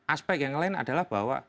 aspek yang lain adalah bahwa